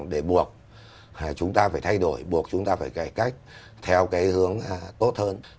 để buộc chúng ta phải thay đổi buộc chúng ta phải cải cách theo cái hướng tốt hơn